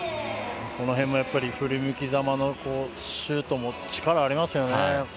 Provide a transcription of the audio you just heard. この辺も振り向きざまのシュート力ありますよね。